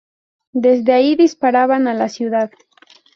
Desde ahí disparaban a la ciudad.